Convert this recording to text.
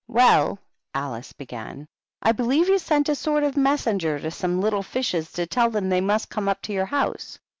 "Well," Alice began, "I believe you sent a sort of messenger to some little fishes, to tell them they must come up to your house.